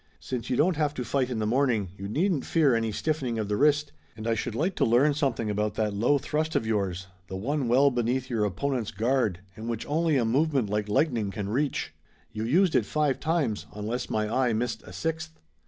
"Since you don't have to fight in the morning you needn't fear any stiffening of the wrist, and I should like to learn something about that low thrust of yours, the one well beneath your opponent's guard, and which only a movement like lightning can reach. You used it five times, unless my eye missed a sixth."